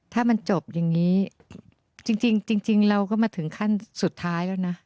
ถ้ามันจบอย่างงี้จริงจริงจริงจริงเราก็มาถึงขั้นสุดท้ายแล้วนะ